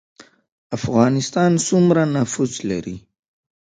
افغانستان سومره نفوس لري